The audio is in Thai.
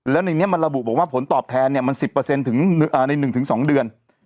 แล้วในนี้มันระบุบอกว่าผลตอบแทนมัน๑๐ถึงใน๑๒เดือน